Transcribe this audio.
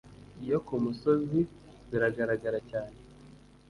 yo ku musozi, biragaragara cyane